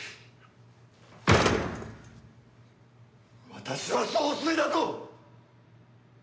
私は総帥だぞ！